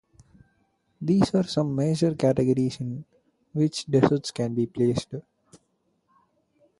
These are some major categories in which desserts can be placed.